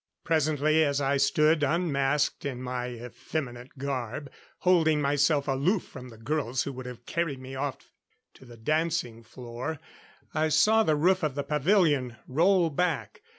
Presently, as I stood unmasked in my effeminate garb, holding myself aloof from the girls who would have carried me off to the dancing floor, I saw the roof of the pavilion roll back.